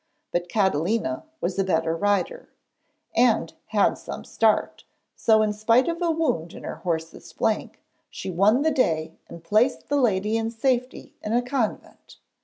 But Catalina was a better rider, and had some start, so, in spite of a wound in her horse's flank, she won the day and placed the lady in safety in a convent.